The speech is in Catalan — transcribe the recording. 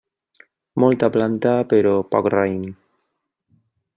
Molta planta però poc raïm.